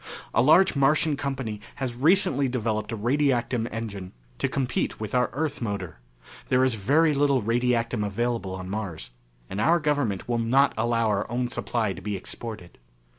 A large Martian company has recently developed a radiactum engine to compete with our Earth motor. There is very little radiactum available on Mars, and our government will not allow our own supply to be exported.